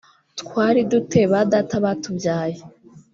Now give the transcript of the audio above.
twari du te ba data batubyaye